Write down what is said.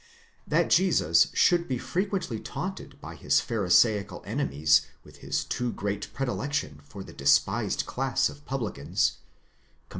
That Jesus should be frequently taunted by his pharisaical enemies with his too great predilection for the despised class of publicans (comp.